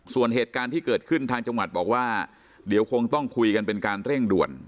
ส่วนเหตุการณ์ที่เกิดขึ้นทางจังหวัดบอกว่าเดี๋ยวคงต้องคุยกันเป็นการเร่งด่วน